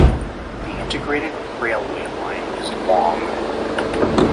The integrated railway line is long.